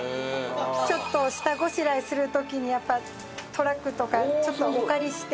ちょっと下ごしらえする時にやっぱりトラックとかちょっとお借りして。